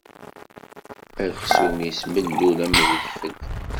Aksum-is mellul am wedfel.